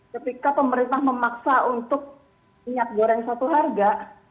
ketika pemerintah memaksa untuk minyak goreng satu harga